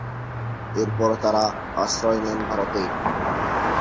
এরপর তারা আশ্রয় নেন ভারতে।